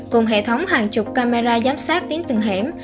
cùng hệ thống hàng chục camera giám sát đến từng hẻm